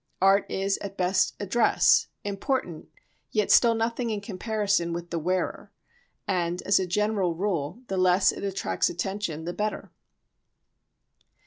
Art is at best a dress, important, yet still nothing in comparison with the wearer, and, as a general rule, the less it attracts attention the better.